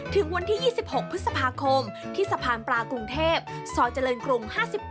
ถึงวันที่๒๖พฤษภาคมที่สะพานปลากรุงเทพซอยเจริญกรุง๕๘